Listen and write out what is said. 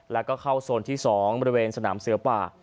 แล้วก็เข้าโซนที่๒บริเวณสนามเสือป่า